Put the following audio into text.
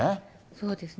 そうですね。